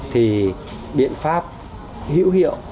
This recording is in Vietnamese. thì biện pháp hữu hiệu